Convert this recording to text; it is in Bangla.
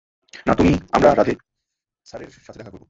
না তুমি না আমরা রাধে স্যারের সাথে দেখা করবো।